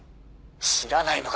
知らないのか？